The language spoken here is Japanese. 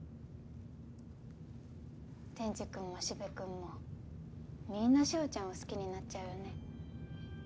天智くんも四部くんもみんな志法ちゃんを好きになっちゃうよね。